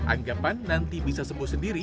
anggapan nanti bisa sembuh sendiri